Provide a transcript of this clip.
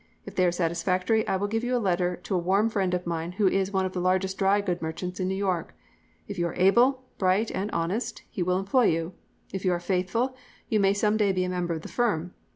If they are satisfactory I will give you a letter to a warm friend of mine who is one of the largest dry goods merchants in New York. If you are able, bright, and honest he will employ you. If you are faithful you may some day be a member of the firm.